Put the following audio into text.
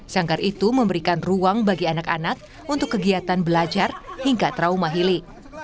sanggar itu memberikan ruang bagi anak anak untuk kegiatan belajar hingga trauma healing